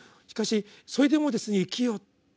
しかし「それでも生きよ」。